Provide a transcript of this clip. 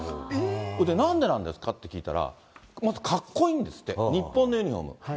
なんでなんですかって聞いたら、まずかっこいいんですって、日本のユニホーム。